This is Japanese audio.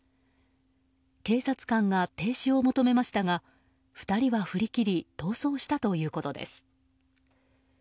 警察官が停止を求めましたが２人は振り切り逃走したということです。